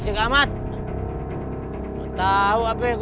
hebat sama allah katakan apa fxg